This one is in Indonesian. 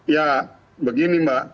ya begini mbak